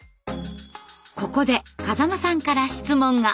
ここで風間さんから質問が。